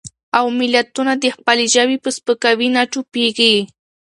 او ملتونه د خپلې ژبې په سپکاوي نه چوپېږي.